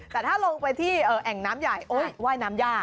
แต่ถ้าลงไปที่แอ่งน้ำใหญ่ว่ายน้ำยาก